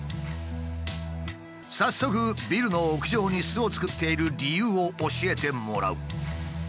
早速ビルの屋上に巣を作っている理由を教えてもらう。